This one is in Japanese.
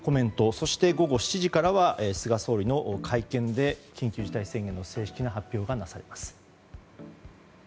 そして午後７時からは菅総理の会見で、緊急事態宣言の正式な発表がなされます。